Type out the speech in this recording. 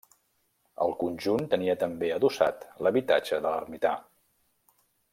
El conjunt tenia també adossat l'habitatge de l'ermità.